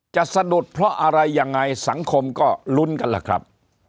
สะดุดเพราะอะไรยังไงสังคมก็ลุ้นกันล่ะครับ